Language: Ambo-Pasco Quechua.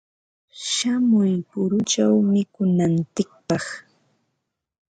Shamuy puruchaw mikunantsikpaq.